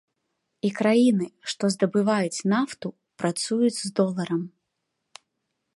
І краіны, што здабываюць нафту, працуюць з доларам.